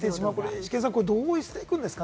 イシケンさん、どうしていくんですか？